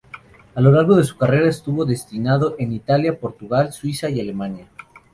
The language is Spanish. A lo largo de su carrera estuvo destinado en Italia, Portugal, Suiza y Alemania.